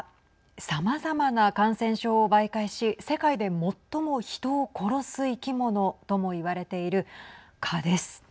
さまざまな感染症を媒介し世界で最もヒトを殺す生き物とも言われている蚊です。